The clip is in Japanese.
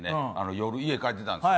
夜、家帰ってたんですよ。